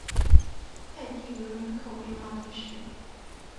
泰蒂厄人口变化图示